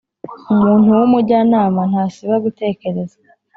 Umuntu w’umujyanama ntasiba gutekereza,